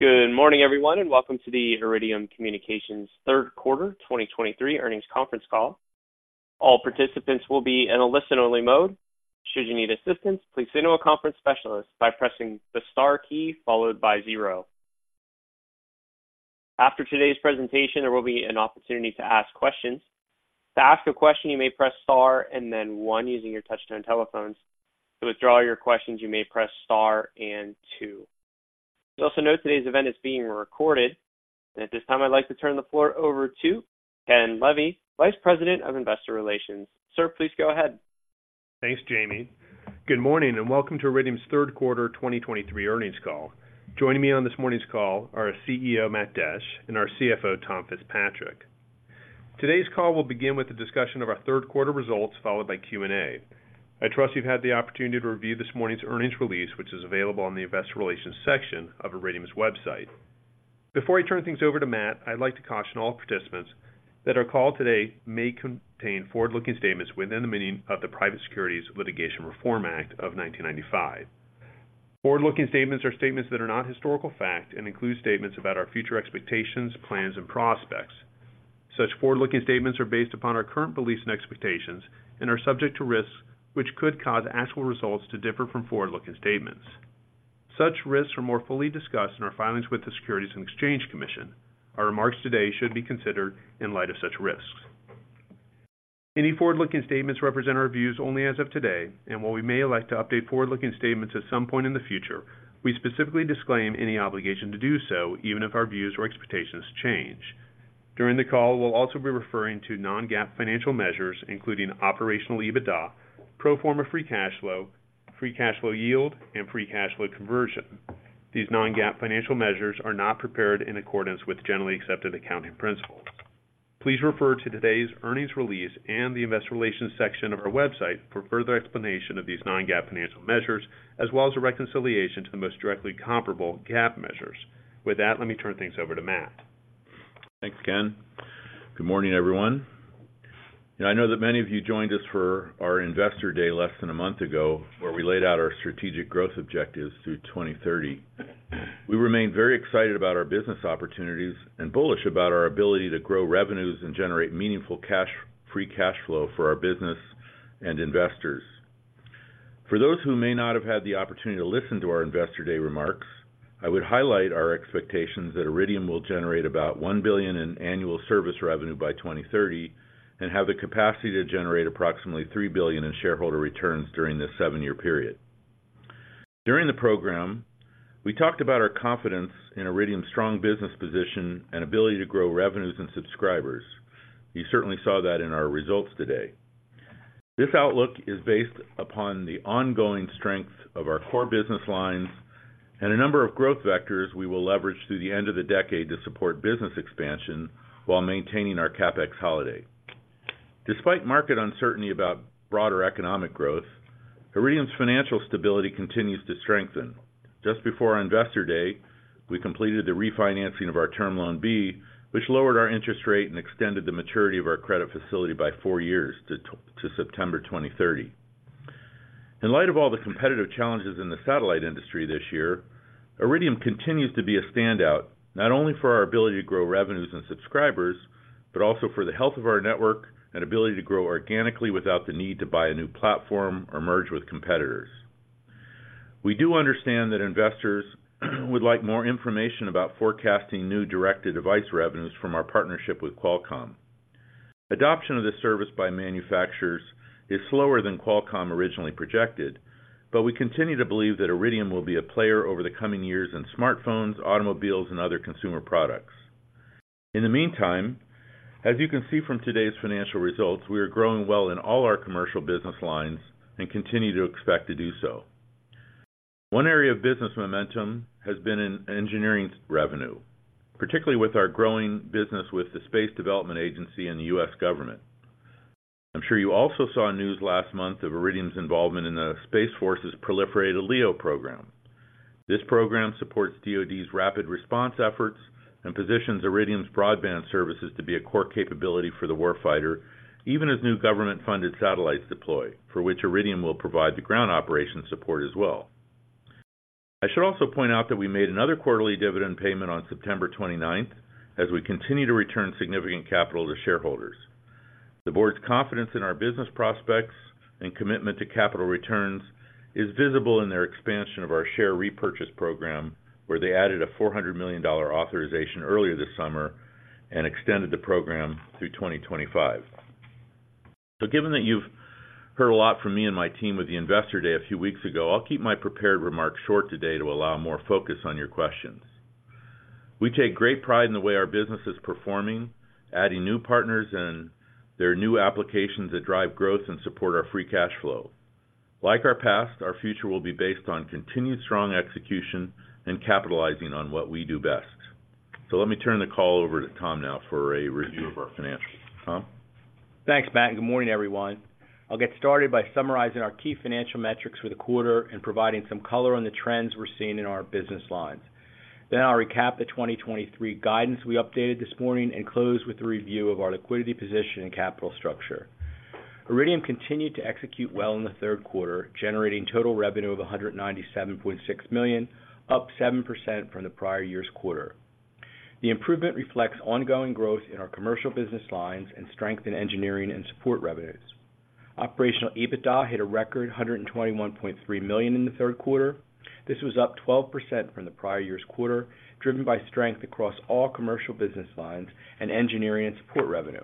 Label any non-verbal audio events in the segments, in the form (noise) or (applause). Good morning, everyone, and welcome to the Iridium Communications third quarter 2023 earnings conference call. All participants will be in a listen-only mode. Should you need assistance, please speak to a conference specialist by pressing the star key followed by zero. After today's presentation, there will be an opportunity to ask questions. To ask a question, you may press star and then one using your touchtone telephones. To withdraw your questions, you may press star and two. You'll also note today's event is being recorded, and at this time, I'd like to turn the floor over to Ken Levy, Vice President of Investor Relations. Sir, please go ahead. Thanks, Jamie. Good morning, and welcome to Iridium's third quarter 2023 earnings call. Joining me on this morning's call are our CEO, Matt Desch, and our CFO, Tom Fitzpatrick. Today's call will begin with a discussion of our third quarter results, followed by Q&A. I trust you've had the opportunity to review this morning's earnings release, which is available on the investor relations section of Iridium's website. Before I turn things over to Matt, I'd like to caution all participants that our call today may contain forward-looking statements within the meaning of the Private Securities Litigation Reform Act of 1995. Forward-looking statements are statements that are not historical fact and include statements about our future expectations, plans, and prospects. Such forward-looking statements are based upon our current beliefs and expectations and are subject to risks which could cause actual results to differ from forward-looking statements. Such risks are more fully discussed in our filings with the Securities and Exchange Commission. Our remarks today should be considered in light of such risks. Any forward-looking statements represent our views only as of today, and while we may elect to update forward-looking statements at some point in the future, we specifically disclaim any obligation to do so, even if our views or expectations change. During the call, we'll also be referring to non-GAAP financial measures, including operational EBITDA, pro forma free cash flow, free cash flow yield, and free cash flow conversion. These non-GAAP financial measures are not prepared in accordance with generally accepted accounting principles. Please refer to today's earnings release and the investor relations section of our website for further explanation of these non-GAAP financial measures, as well as a reconciliation to the most directly comparable GAAP measures. With that, let me turn things over to Matt. Thanks, Ken. Good morning, everyone. I know that many of you joined us for our Investor Day less than a month ago, where we laid out our strategic growth objectives through 2030. We remain very excited about our business opportunities and bullish about our ability to grow revenues and generate meaningful cash, free cash flow for our business and investors. For those who may not have had the opportunity to listen to our Investor Day remarks, I would highlight our expectations that Iridium will generate about $1 billion in annual service revenue by 2030 and have the capacity to generate approximately $3 billion in shareholder returns during this seven-year period. During the program, we talked about our confidence in Iridium's strong business position and ability to grow revenues and subscribers. You certainly saw that in our results today. This outlook is based upon the ongoing strength of our core business lines and a number of growth vectors we will leverage through the end of the decade to support business expansion while maintaining our CapEx holiday. Despite market uncertainty about broader economic growth, Iridium's financial stability continues to strengthen. Just before our Investor Day, we completed the refinancing of our Term Loan B, which lowered our interest rate and extended the maturity of our credit facility by four years to September 2030. In light of all the competitive challenges in the satellite industry this year, Iridium continues to be a standout, not only for our ability to grow revenues and subscribers, but also for the health of our network and ability to grow organically without the need to buy a new platform or merge with competitors. We do understand that investors would like more information about forecasting new directed device revenues from our partnership with Qualcomm. Adoption of this service by manufacturers is slower than Qualcomm originally projected, but we continue to believe that Iridium will be a player over the coming years in smartphones, automobiles, and other consumer products. In the meantime, as you can see from today's financial results, we are growing well in all our commercial business lines and continue to expect to do so. One area of business momentum has been in engineering revenue, particularly with our growing business with the Space Development Agency and the U.S. government. I'm sure you also saw news last month of Iridium's involvement in the U.S. Space Force's Proliferated LEO program. This program supports DoD's rapid response efforts and positions Iridium's broadband services to be a core capability for the war fighter, even as new government-funded satellites deploy, for which Iridium will provide the ground operation support as well. I should also point out that we made another quarterly dividend payment on September 29th, as we continue to return significant capital to shareholders. The board's confidence in our business prospects and commitment to capital returns is visible in their expansion of our share repurchase program, where they added a $400 million authorization earlier this summer and extended the program through 2025. Given that you've heard a lot from me and my team with the Investor Day a few weeks ago, I'll keep my prepared remarks short today to allow more focus on your questions. We take great pride in the way our business is performing, adding new partners and their new applications that drive growth and support our free cash flow. Like our past, our future will be based on continued strong execution and capitalizing on what we do best. So let me turn the call over to Tom now for a review of our financials. Tom? Thanks, Matt, and good morning, everyone. I'll get started by summarizing our key financial metrics for the quarter and providing some color on the trends we're seeing in our business lines. Then I'll recap the 2023 guidance we updated this morning and close with a review of our liquidity position and capital structure. Iridium continued to execute well in the third quarter, generating total revenue of $197.6 million, up 7% from the prior year's quarter. The improvement reflects ongoing growth in our commercial business lines and strength in engineering and support revenues. Operational EBITDA hit a record $121.3 million in the third quarter. This was up 12% from the prior year's quarter, driven by strength across all commercial business lines and engineering and support revenue.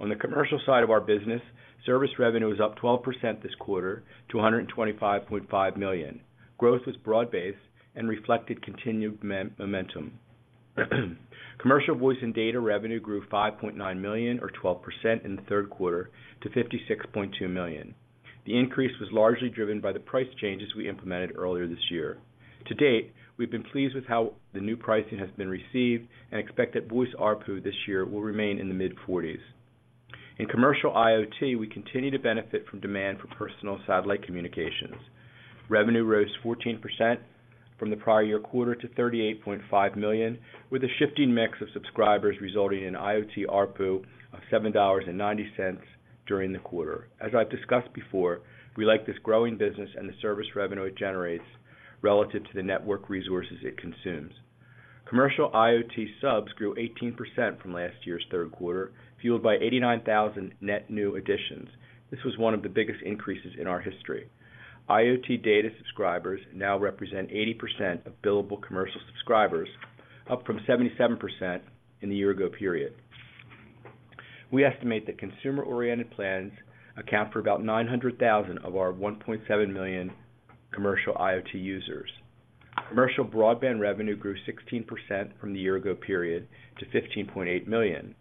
On the commercial side of our business, service revenue was up 12% this quarter to $125.5 million. Growth was broad-based and reflected continued momentum. Commercial voice and data revenue grew $5.9 million, or 12%, in the third quarter to $56.2 million. The increase was largely driven by the price changes we implemented earlier this year. To date, we've been pleased with how the new pricing has been received and expect that voice ARPU this year will remain in the mid-40s. In commercial IoT, we continue to benefit from demand for personal satellite communications. Revenue rose 14% from the prior-year quarter to $38.5 million, with a shifting mix of subscribers, resulting in an IoT ARPU of $7.90 during the quarter. As I've discussed before, we like this growing business and the service revenue it generates relative to the network resources it consumes. Commercial IoT subs grew 18% from last year's third quarter, fueled by 89,000 net new additions. This was one of the biggest increases in our history. IoT data subscribers now represent 80% of billable commercial subscribers, up from 77% in the year-ago period. We estimate that consumer-oriented plans account for about 900,000 of our 1.7 million commercial IoT users. Commercial broadband revenue grew 16% from the year-ago period to $15.8 million.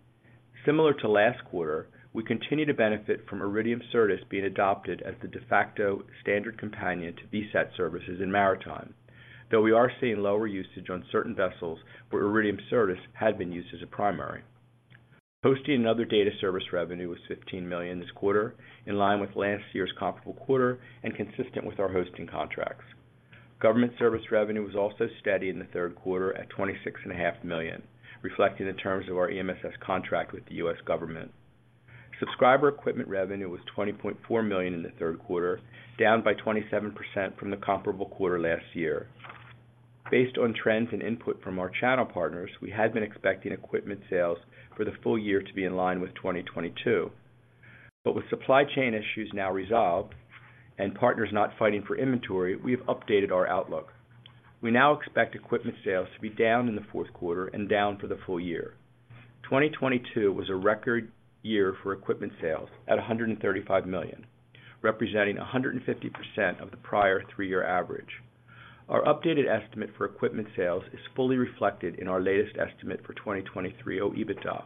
Similar to last quarter, we continue to benefit from Iridium Certus being adopted as the de facto standard companion to VSAT services in maritime, though we are seeing lower usage on certain vessels where Iridium Certus had been used as a primary. Hosting and other data service revenue was $15 million this quarter, in line with last year's comparable quarter and consistent with our hosting contracts. Government service revenue was also steady in the third quarter at $26.5 million, reflecting the terms of our EMSS contract with the U.S. government. Subscriber equipment revenue was $20.4 million in the third quarter, down by 27% from the comparable quarter last year. Based on trends and input from our channel partners, we had been expecting equipment sales for the full year to be in line with 2022. But with supply chain issues now resolved and partners not fighting for inventory, we've updated our outlook. We now expect equipment sales to be down in the fourth quarter and down for the full year. 2022 was a record year for equipment sales at $135 million, representing 150% of the prior three-year average. Our updated estimate for equipment sales is fully reflected in our latest estimate for 2023 OEBITDA.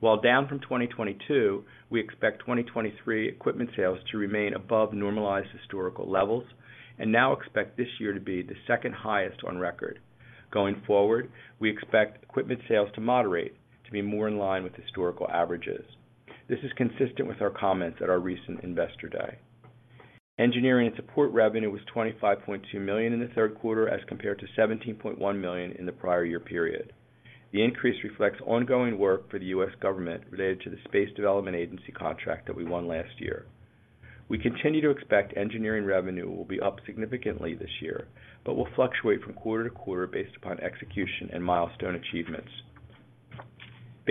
While down from 2022, we expect 2023 equipment sales to remain above normalized historical levels, and now expect this year to be the second highest on record. Going forward, we expect equipment sales to moderate, to be more in line with historical averages. This is consistent with our comments at our recent Investor Day. Engineering and support revenue was $25.2 million in the third quarter, as compared to $17.1 million in the prior year period. The increase reflects ongoing work for the U.S. government related to the Space Development Agency contract that we won last year. We continue to expect engineering revenue will be up significantly this year, but will fluctuate from quarter-to-quarter based upon execution and milestone achievements.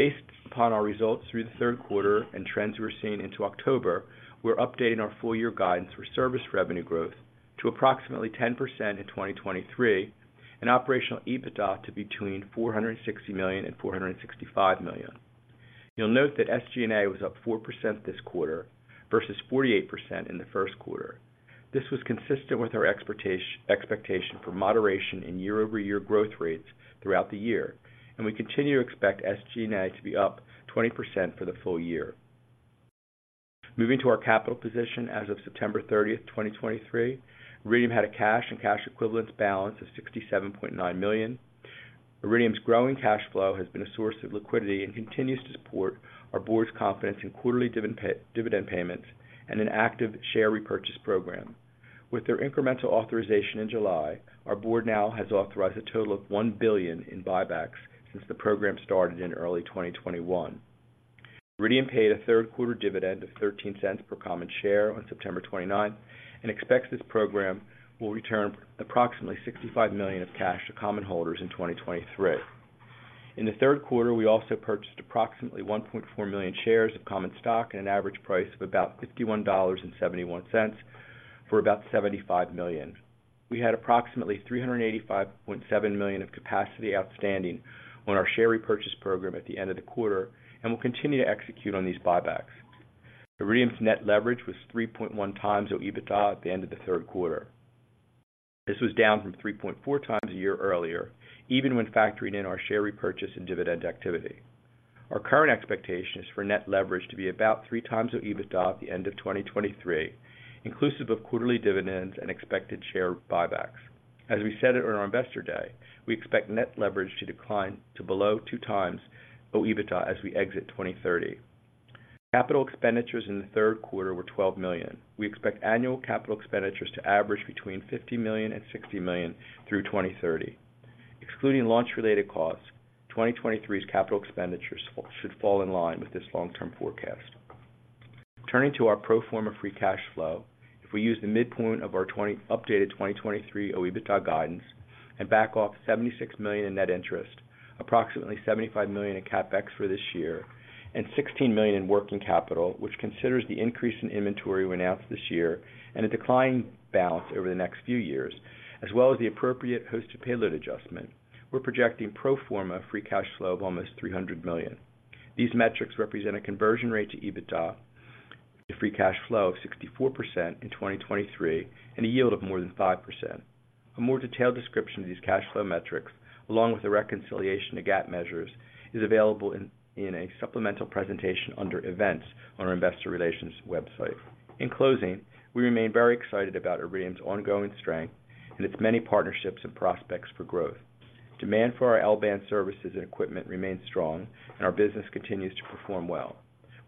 Based upon our results through the third quarter and trends we're seeing into October, we're updating our full year guidance for service revenue growth to approximately 10% in 2023, and operational EBITDA to between $460 million and $465 million. You'll note that SG&A was up 4% this quarter versus 48% in the first quarter. This was consistent with our expectation for moderation in year-over-year growth rates throughout the year, and we continue to expect SG&A to be up 20% for the full year. Moving to our capital position, as of September 30th, 2023, Iridium had a cash and cash equivalents balance of $67.9 million. Iridium's growing cash flow has been a source of liquidity and continues to support our board's confidence in quarterly dividend payments and an active share repurchase program. With their incremental authorization in July, our board now has authorized a total of $1 billion in buybacks since the program started in early 2021. Iridium paid a third quarter dividend of $0.13 per common share on September 29 and expects this program will return approximately $65 million of cash to common holders in 2023. In the third quarter, we also purchased approximately 1.4 million shares of common stock at an average price of about $51.71 for about $75 million. We had approximately $385.7 million of capacity outstanding on our share repurchase program at the end of the quarter, and will continue to execute on these buybacks. Iridium's net leverage was 3.1x our EBITDA at the end of the third quarter. This was down from 3.4x a year earlier, even when factoring in our share repurchase and dividend activity. Our current expectation is for net leverage to be about 3x our EBITDA at the end of 2023, inclusive of quarterly dividends and expected share buybacks. As we said at our Investor Day, we expect net leverage to decline to below 2x OEBITDA as we exit 2030. Capital expenditures in the third quarter were $12 million. We expect annual capital expenditures to average between $50 million and $60 million through 2030, excluding launch-related costs, 2023's capital expenditures should fall in line with this long-term forecast. Turning to our pro forma free cash flow, if we use the midpoint of our updated 2023 OEBITDA guidance and back off $76 million in net interest, approximately $75 million in CapEx for this year, and $16 million in working capital, which considers the increase in inventory we announced this year and a decline balance over the next few years, as well as the appropriate hosted payload adjustment, we're projecting pro forma free cash flow of almost $300 million. These metrics represent a conversion rate to EBITDA, to free cash flow of 64% in 2023, and a yield of more than 5%. A more detailed description of these cash flow metrics, along with the reconciliation to GAAP measures, is available in a supplemental presentation under Events on our Investor Relations website. In closing, we remain very excited about Iridium's ongoing strength and its many partnerships and prospects for growth. Demand for our L-band services and equipment remains strong, and our business continues to perform well.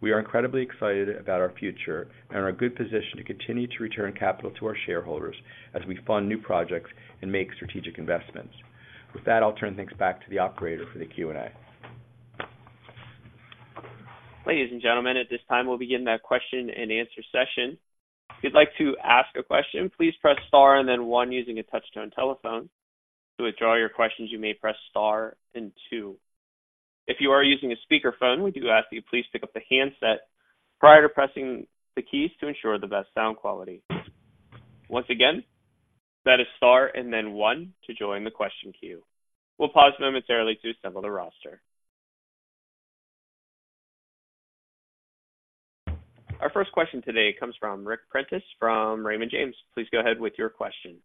We are incredibly excited about our future and are in a good position to continue to return capital to our shareholders as we fund new projects and make strategic investments. With that, I'll turn things back to the operator for the Q&A. Ladies and gentlemen, at this time, we'll begin that question-and-answer session. If you'd like to ask a question, please press Star and then One using a touch-tone telephone. To withdraw your questions, you may press Star and Two. If you are using a speakerphone, we do ask that you please pick up the handset prior to pressing the keys to ensure the best sound quality. Once again, that is Star and then One to join the question queue. We'll pause momentarily to assemble the roster. Our first question today comes from Ric Prentiss from Raymond James. Please go ahead with your question.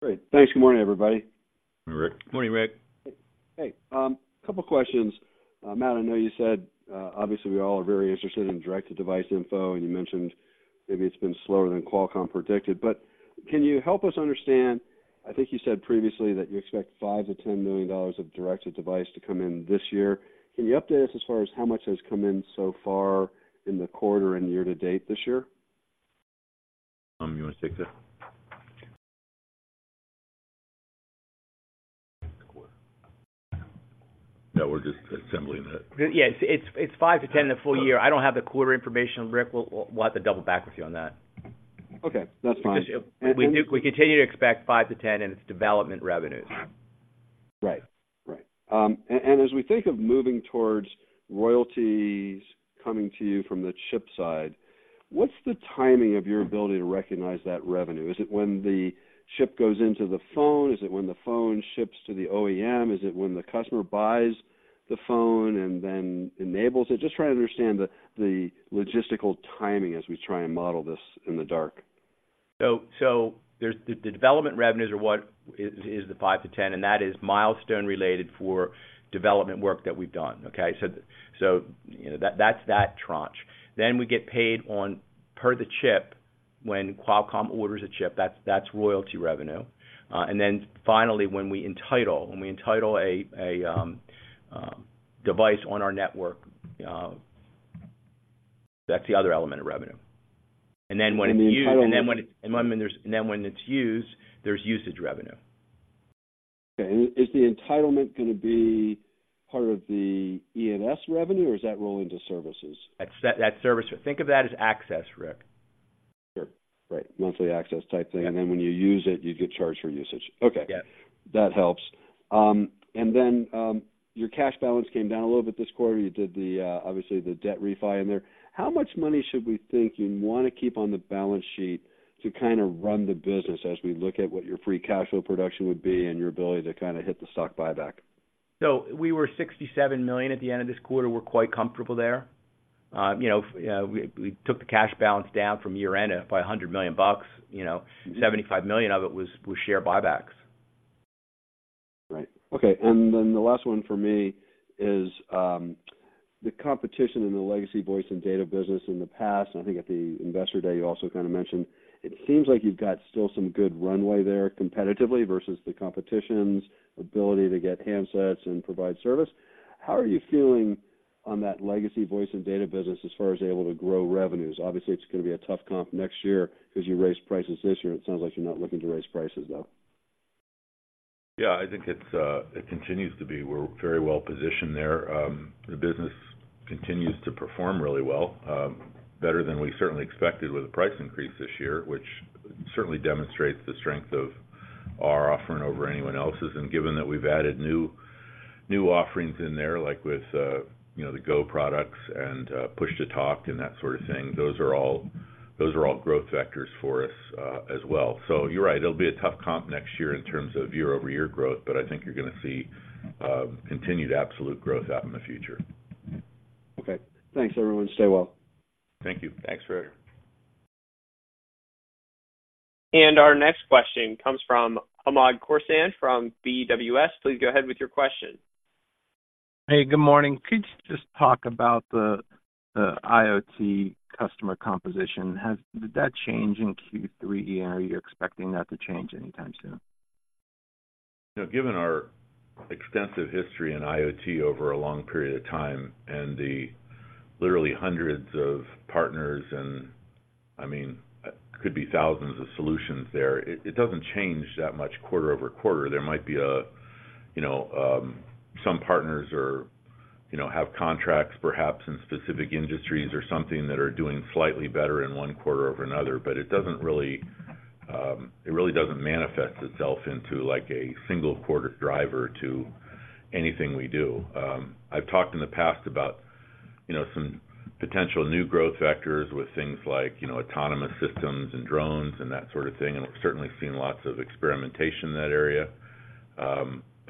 Great. Thanks. Good morning, everybody. Good morning, Ric. Morning, Ric. Hey, a couple questions. Matt, I know you said, obviously, we all are very interested in direct-to-device info, and you mentioned maybe it's been slower than Qualcomm predicted, but can you help us understand? I think you said previously that you expect $5 million-$10 million of direct-to-device to come in this year. Can you update us as far as how much has come in so far in the quarter and year-to-date this year? You want to take that? No, we're just assembling that. Yes, it's $5-$10 the full year. I don't have the quarter information, Ric. We'll have to double back with you on that. Okay, that's fine. We continue to expect $5-$10, and it's development revenues. Right. Right. And as we think of moving towards royalties coming to you from the chip side, what's the timing of your ability to recognize that revenue? Is it when the chip goes into the phone? Is it when the phone ships to the OEM? Is it when the customer buys the phone and then enables it? Just trying to understand the logistical timing as we try and model this in the dark. So, the development revenues are what is the $5-$10, and that is milestone related for development work that we've done, okay? So, you know, that's that tranche. Then we get paid on per the chip when Qualcomm orders a chip, that's royalty revenue. And then finally, when we entitle a device on our network, that's the other element of revenue. (crosstalk) And then when it's used. When it's used, there's usage revenue. Okay. And is the entitlement gonna be part of the E&S revenue, or does that roll into services? That's, that's service. Think of that as access, Ric. Sure. Right. Monthly access type thing. Yeah. And then when you use it, you get charged for usage. Okay. Yes. That helps. And then, your cash balance came down a little bit this quarter. You did the, obviously, the debt refi in there. How much money should we think you'd want to keep on the balance sheet to kinda run the business as we look at what your free cash flow production would be and your ability to kinda hit the stock buyback? So we were $67 million at the end of this quarter. We're quite comfortable there. You know, we took the cash balance down from year-end by $100 million bucks, you know. $75 million of it was share buybacks. Right. Okay, and then the last one for me is, the competition in the legacy voice and data business in the past, I think at the Investor Day, you also kind of mentioned, it seems like you've got still some good runway there competitively versus the competition's ability to get handsets and provide service. How are you feeling on that legacy voice and data business as far as able to grow revenues? Obviously, it's gonna be a tough comp next year 'cause you raised prices this year. It sounds like you're not looking to raise prices, though. Yeah, I think it's, it continues to be... We're very well positioned there. The business continues to perform really well, better than we certainly expected with a price increase this year, which certainly demonstrates the strength of our offering over anyone else's. And given that we've added new, new offerings in there, like with, you know, the GO products and, Push-to-Talk and that sort of thing, those are all, those are all growth vectors for us, as well. So you're right, it'll be a tough comp next year in terms of year-over-year growth, but I think you're gonna see, continued absolute growth out in the future. Okay. Thanks, everyone. Stay well. Thank you. Thanks, Rick. Our next question comes from Hamed Khorsand, from BWS. Please go ahead with your question. Hey, good morning. Could you just talk about the IoT customer composition? Did that change in Q3 year, or you're expecting that to change anytime soon? You know, given our extensive history in IoT over a long period of time, and the literally hundreds of partners, and, I mean, could be thousands of solutions there. It, it doesn't change that much quarter-over-quarter. There might be a, you know, some partners are, you know, have contracts perhaps in specific industries or something that are doing slightly better in one quarter over another, but it doesn't really, it really doesn't manifest itself into like a single quarter driver to anything we do. I've talked in the past about, you know, some potential new growth vectors with things like, you know, autonomous systems and drones and that sort of thing, and we've certainly seen lots of experimentation in that area.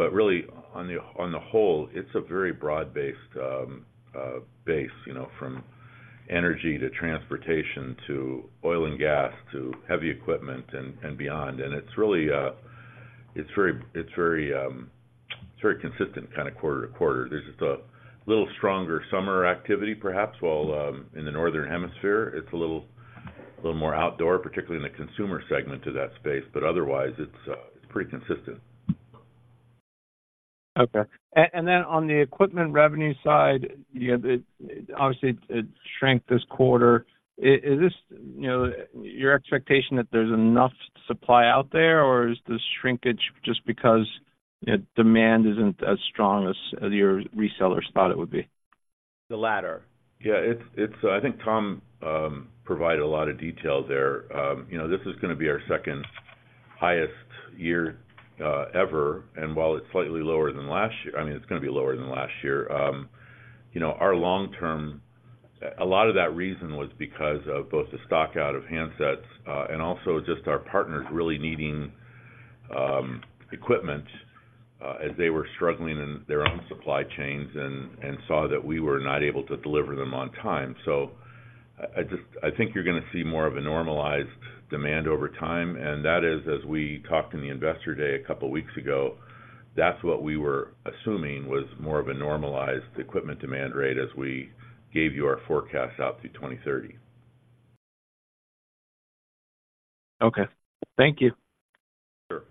But really, on the whole, it's a very broad-based base, you know, from energy to transportation to oil and gas, to heavy equipment and beyond. And it's really very consistent kind of quarter-toquarter. There's just a little stronger summer activity, perhaps, while in the northern hemisphere, it's a little more outdoor, particularly in the consumer segment to that space, but otherwise, it's pretty consistent. Okay. And then on the equipment revenue side, you know, the obviously, it shrank this quarter. Is this, you know, your expectation that there's enough supply out there, or is the shrinkage just because demand isn't as strong as your resellers thought it would be? The latter. Yeah, it's, I think Tom provided a lot of detail there. You know, this is gonna be our second highest year ever, and while it's slightly lower than last year—I mean, it's gonna be lower than last year. You know, our long-term—a lot of that reason was because of both the stock out of handsets and also just our partners really needing equipment as they were struggling in their own supply chains and saw that we were not able to deliver them on time. So I just—I think you're gonna see more of a normalized demand over time, and that is, as we talked in the Investor Day a couple weeks ago, that's what we were assuming was more of a normalized equipment demand rate as we gave you our forecast out through 2030. Okay. Thank you. Sure.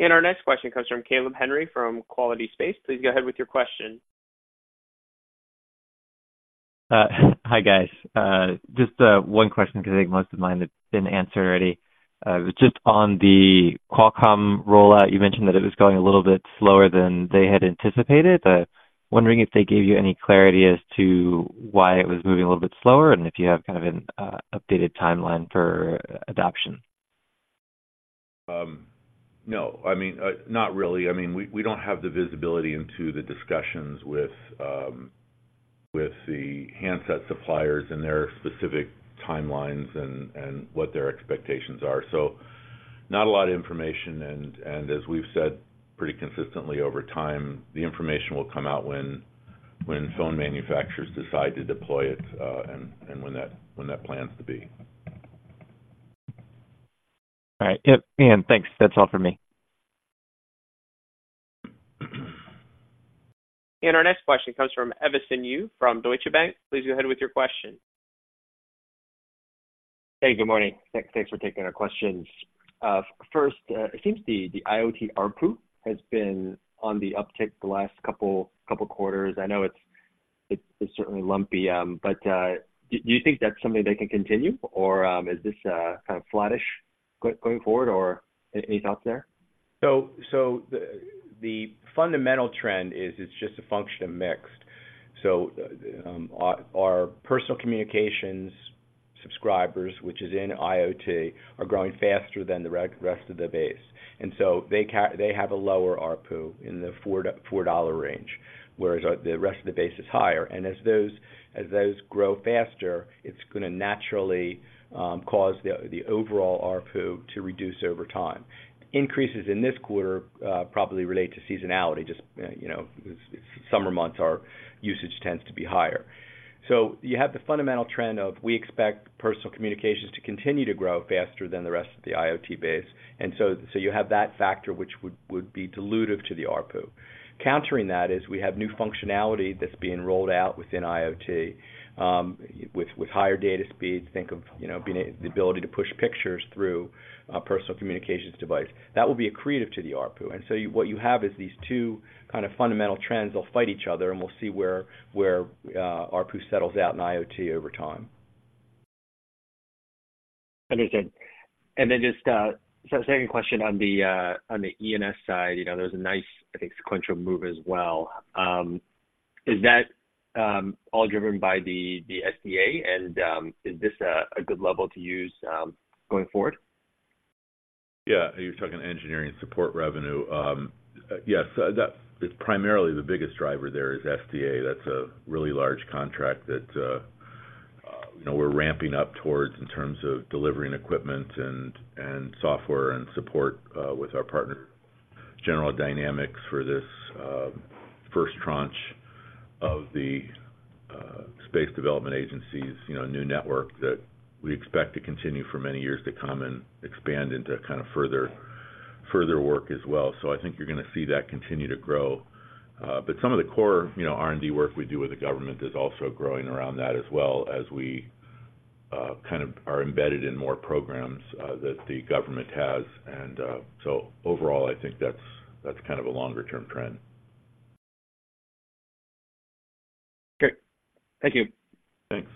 Our next question comes from Caleb Henry, from Quilty Space. Please go ahead with your question. Hi, guys. Just one question, because I think most of mine have been answered already. Just on the Qualcomm rollout, you mentioned that it was going a little bit slower than they had anticipated. Wondering if they gave you any clarity as to why it was moving a little bit slower, and if you have kind of an updated timeline for adoption? No, I mean, not really. I mean, we don't have the visibility into the discussions with the handset suppliers and their specific timelines and what their expectations are. So not a lot of information, and as we've said pretty consistently over time, the information will come out when phone manufacturers decide to deploy it, and when that plans to be. All right. Yep, and thanks. That's all for me. Our next question comes from Edison Yu from Deutsche Bank. Please go ahead with your question. Hey, good morning. Thanks for taking our questions. First, it seems the IoT ARPU has been on the uptick the last couple quarters. I know it's certainly lumpy, but do you think that's something that can continue or is this kind of flattish going forward or any thoughts there? So the fundamental trend is it's just a function of mix. So, our personal communications subscribers, which is in IoT, are growing faster than the rest of the base, and so they have a lower ARPU in the $4 range, whereas the rest of the base is higher. And as those grow faster, it's gonna naturally cause the overall ARPU to reduce over time. Increases in this quarter probably relate to seasonality. Just, you know, summer months, our usage tends to be higher. So you have the fundamental trend of: We expect personal communications to continue to grow faster than the rest of the IoT base, and so you have that factor which would be dilutive to the ARPU. Countering that, is we have new functionality that's being rolled out within IoT, with higher data speeds. Think of, you know, the ability to push pictures through a personal communications device. That will be accretive to the ARPU. And so what you have is these two kind of fundamental trends that'll fight each other, and we'll see where ARPU settles out in IoT over time. Understood. And then just, so second question on the E&S side, you know, there's a nice, I think, sequential move as well. Is that all driven by the SDA and is this a good level to use going forward? Yeah. You're talking engineering support revenue. Yes, that primarily, the biggest driver there is SDA. That's a really large contract that, you know, we're ramping up towards in terms of delivering equipment and software and support, with our partner, General Dynamics, for this, first tranche of the, Space Development Agency's, you know, new network that we expect to continue for many years to come and expand into kind of further, further work as well. So I think you're gonna see that continue to grow. But some of the core, you know, R&D work we do with the government is also growing around that as well, as we kind of are embedded in more programs, that the government has. And so overall, I think that's, that's kind of a longer term trend. Great. Thank you. Thanks.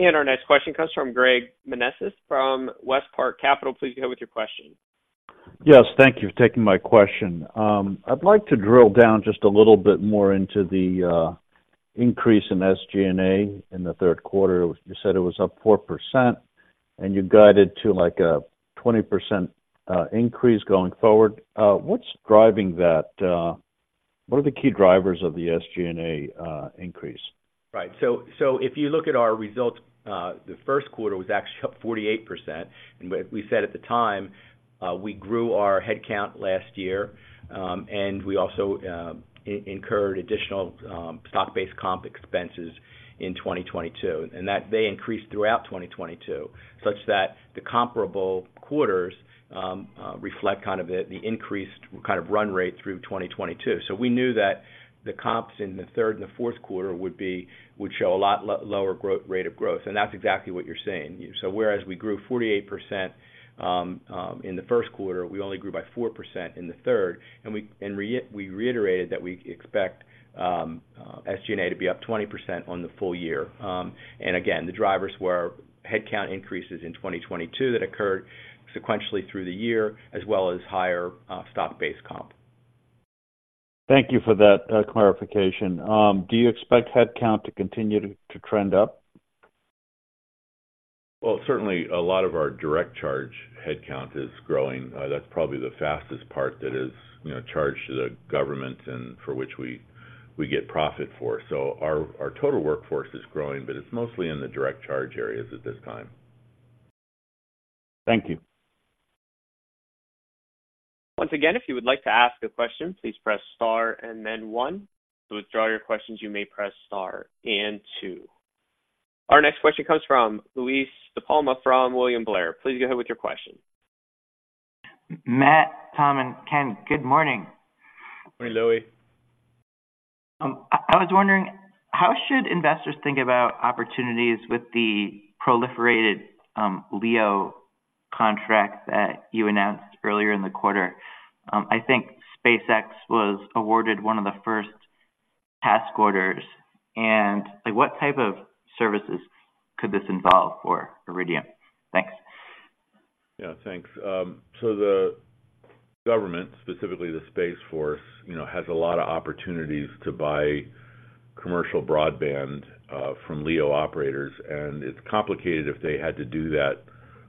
Our next question comes from Greg Mesniaeff from WestPark Capital. Please go ahead with your question. Yes, thank you for taking my question. I'd like to drill down just a little bit more into the increase in SG&A in the third quarter. You said it was up 4%, and you guided to, like, a 20% increase going forward. What's driving that? What are the key drivers of the SG&A increase? Right. So if you look at our results, the first quarter was actually up 48%. And we said at the time, we grew our headcount last year, and we also incurred additional stock-based comp expenses in 2022. And that they increased throughout 2022, such that the comparable quarters reflect kind of the increased kind of run rate through 2022. So we knew that the comps in the third and the fourth quarter would show a lot lower growth rate of growth, and that's exactly what you're seeing. So whereas we grew 48% in the first quarter, we only grew by 4% in the third, and we reiterated that we expect SG&A to be up 20% on the full year. And again, the drivers were headcount increases in 2022 that occurred sequentially through the year, as well as higher stock-based comp. Thank you for that, clarification. Do you expect headcount to continue to trend up? Well, certainly a lot of our direct charge headcount is growing. That's probably the fastest part that is, you know, charged to the government and for which we get profit for. So our total workforce is growing, but it's mostly in the direct charge areas at this time. Thank you. Once again, if you would like to ask a question, please press star and then one. To withdraw your questions, you may press star and two. Our next question comes from Louie DiPalma from William Blair. Please go ahead with your question. Matt, Tom, and Ken, good morning. Good morning, Louie. I was wondering, how should investors think about opportunities with the proliferated LEO contract that you announced earlier in the quarter? I think SpaceX was awarded one of the first task orders, and, like, what type of services could this involve for Iridium? Thanks. Yeah, thanks. So the government, specifically the Space Force, you know, has a lot of opportunities to buy commercial broadband from LEO operators, and it's complicated if they had to do that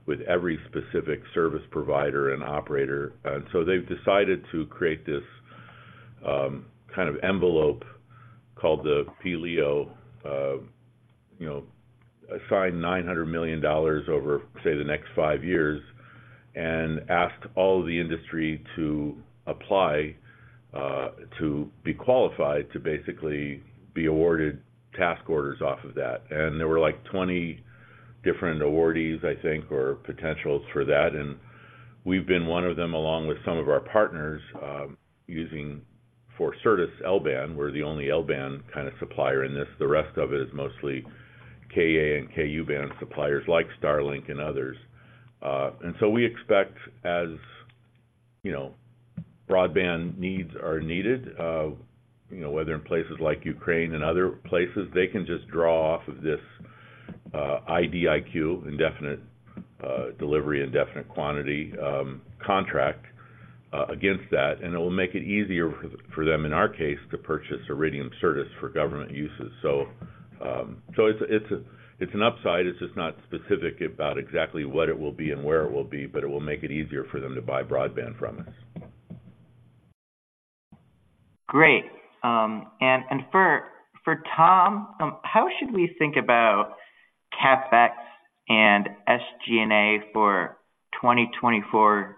with every specific service provider and operator. And so they've decided to create this kind of envelope called the PLEO. You know, assign $900 million over, say, the next five years and ask all the industry to apply to be qualified, to basically be awarded task orders off of that. And there were, like, 20 different awardees, I think, or potentials for that, and we've been one of them, along with some of our partners, using for Certus L-band. We're the only L-band kind of supplier in this. The rest of it is mostly Ka and Ku band suppliers, like Starlink and others. And so we expect, as, you know, broadband needs are needed, you know, whether in places like Ukraine and other places, they can just draw off of this, IDIQ, Indefinite Delivery, Indefinite Quantity, contract, against that, and it will make it easier for them, in our case, to purchase Iridium Certus for government uses. So, so it's a, it's an upside. It's just not specific about exactly what it will be and where it will be, but it will make it easier for them to buy broadband from us. Great. And for Tom, how should we think about CapEx and SG&A for 2024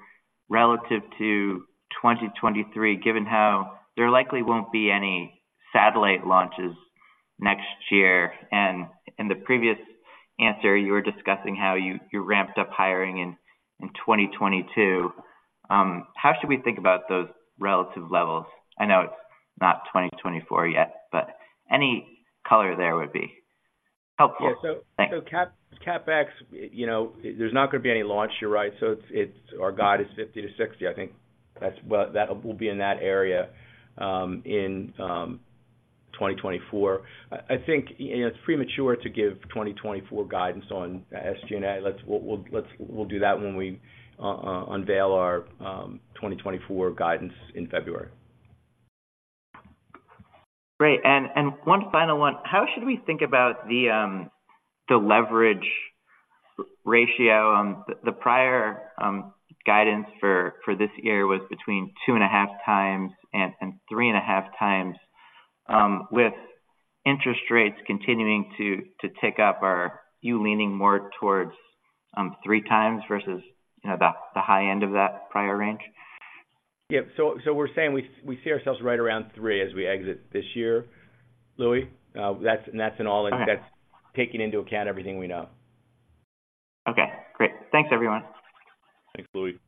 relative to 2023, given how there likely won't be any satellite launches next year? And in the previous answer, you were discussing how you ramped up hiring in 2022. How should we think about those relative levels? I know it's not 2024 yet, but any color there would be helpful. CapEx, you know, there's not gonna be any launch. You're right. So it's our guide is 50-60. I think that's what that will be in that area in 2024. I think, you know, it's premature to give 2024 guidance on SG&A. We'll do that when we unveil our 2024 guidance in February. Great. And one final one: how should we think about the leverage ratio? The prior guidance for this year was between 2.5x and 3.5x. With interest rates continuing to tick up, are you leaning more towards 3x versus, you know, the high end of that prior range? Yeah, so we're saying we see ourselves right around three as we exit this year, Louie. That's an all in. That's taking into account everything we know. Okay, great. Thanks, everyone. Thanks, Louie.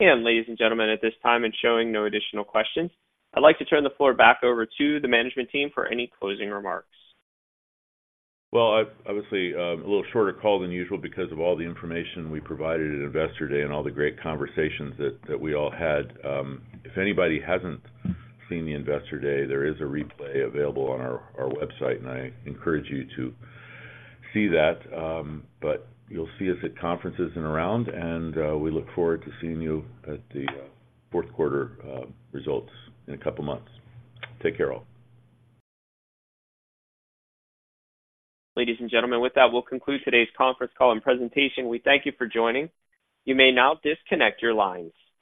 Ladies and gentlemen, at this time and showing no additional questions, I'd like to turn the floor back over to the management team for any closing remarks. Well, obviously, a little shorter call than usual because of all the information we provided at Investor Day and all the great conversations that we all had. If anybody hasn't seen the Investor Day, there is a replay available on our website, and I encourage you to see that. But you'll see us at conferences and around, and we look forward to seeing you at the fourth quarter results in a couple of months. Take care all. Ladies and gentlemen, with that, we'll conclude today's conference call and presentation. We thank you for joining. You may now disconnect your lines.